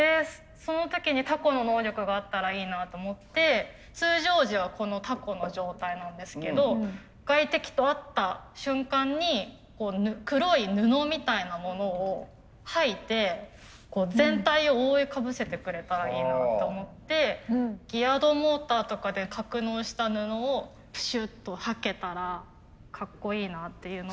その時にタコの能力があったらいいなと思って通常時はこのタコの状態なんですけど外敵と会った瞬間に黒い布みたいなものを吐いて全体を覆いかぶせてくれたらいいなと思ってギヤドモーターとかで格納した布をプシュッと吐けたらかっこいいなっていう。